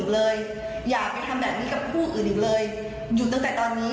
และผู้อื่นอีกเลยอยู่ตั้งแต่ตอนนี้